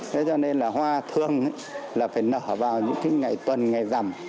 thế cho nên là hoa thường là phải nở vào những cái ngày tuần ngày rằm